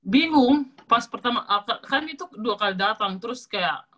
bingung pas kami itu dua kali datang terus kayak